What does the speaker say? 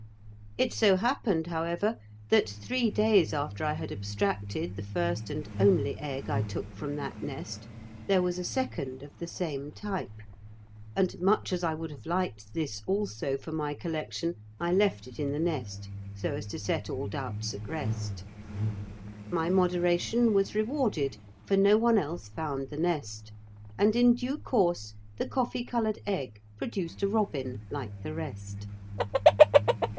It so happened, however, that three days after I had abstracted the first and only egg I took from that nest, there was a second of the same type; and, much as I would have liked this also for my collection, I left it in the nest so as to set all doubts at rest. My moderation was rewarded, for no one else found the nest, and in due course the coffee coloured egg produced a robin like the rest.